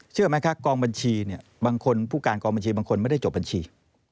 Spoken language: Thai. เชื่อไหมคะกองบัญชีเนี่ยบางคนผู้การกองบัญชีบางคนไม่ได้จบบัญชี